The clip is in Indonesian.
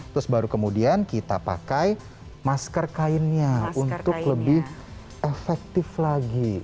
terus baru kemudian kita pakai masker kainnya untuk lebih efektif lagi